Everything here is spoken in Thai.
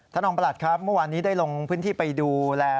รองประหลัดครับเมื่อวานนี้ได้ลงพื้นที่ไปดูแล